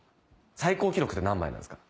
最高記録で何枚なんですか？